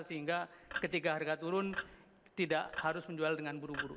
sehingga ketika harga turun tidak harus menjual dengan buru buru